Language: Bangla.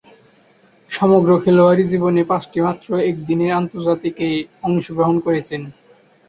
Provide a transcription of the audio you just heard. সমগ্র খেলোয়াড়ী জীবনে পাঁচটিমাত্র একদিনের আন্তর্জাতিকে অংশগ্রহণ করেছেন।